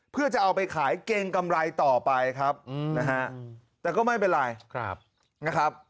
เพื่อจะเอาไปขายเกรงกำไรต่อไปครับนะฮะแต่ก็ไม่เป็นไรนะครับ